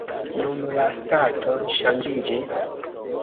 Nun la stato ŝanĝiĝis.